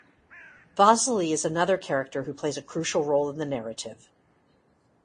Vasily is another character who plays a crucial role in the narrative.